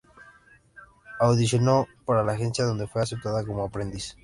Audicionó para la agencia donde fue aceptado como aprendiz.